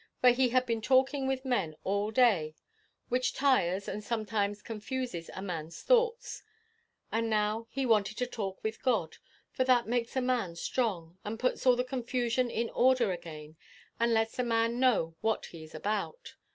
For he had been talking with men all day, which tires and sometimes confuses a man's thoughts, and now he wanted to talk with God for that makes a man strong, and puts all the confusion in order again, and lets a man know what he is about.